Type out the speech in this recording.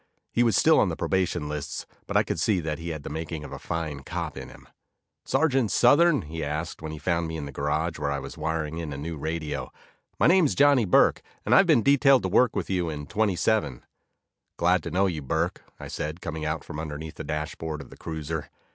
He was still on the probation lists, but I could see that he had the making of a fine cop in him. "Sergeant Southern?" he asked, when he found me in the garage, where I was wiring in a new radio, "My name's Johnny Burke, and I've been detailed to work with you in 27." "Glad to know you, Burke," I said, coming out from underneath the dashboard of the cruiser.